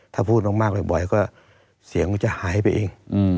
ถ้าพูดมากบ่อยก็เสียงมันจะหายไปเอง